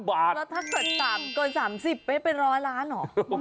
แล้วถ้าเกิดต่างกว่า๓๐ไม่เป็นร้อนร้านเหรอ